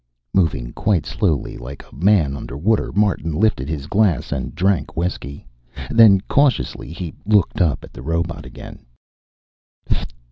Moving quite slowly, like a man under water, Martin lifted his glass and drank whiskey. Then, cautiously, he looked up at the robot again.